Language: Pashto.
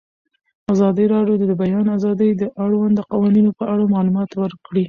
ازادي راډیو د د بیان آزادي د اړونده قوانینو په اړه معلومات ورکړي.